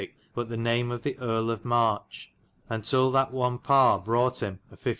but the name of the Erie of Marche; untyll that one Parre brought hym a 15.